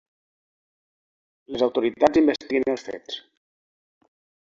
Les autoritats investiguen els fets.